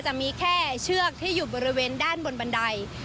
จะมีแค่เชือกที่อยู่บริเวณด้านบนบันได